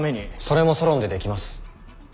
それもソロンでできます。